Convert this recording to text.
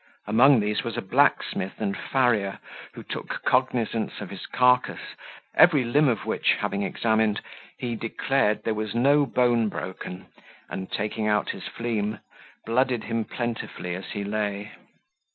Among these was a blacksmith and farrier, who took cognizance of his carcase, every limb of which having examined, he declared there was no bone broken, and taking out his fleam, blooded him plentifully as he lay.